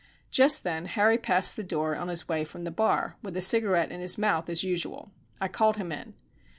Just then Harry passed the door on his way from the bar, with a cigarette in his mouth as usual. I called him in.